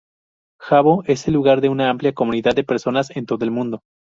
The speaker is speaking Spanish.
Habbo es el hogar de una amplia comunidad de personas en todo el mundo.